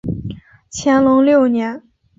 乾隆六年。